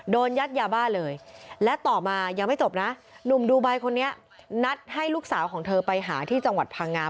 โดนยัดยาบ้าเลยและต่อมายังไม่จบนะหนุ่มดูไบคนนี้นัดให้ลูกสาวของเธอไปหาที่จังหวัดพังงา